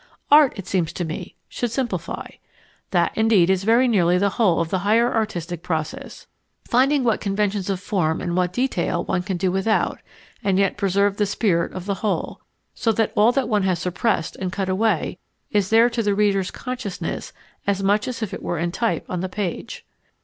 Art, it seems to me, should simplify. That, indeed, is very nearly the whole of the higher artistic process; finding what conventions of form and what detail one can do without and yet preserve the spirit of the whole so that all that one has suppressed and cut away is there to the reader's consciousness as much as if it were in type on the page.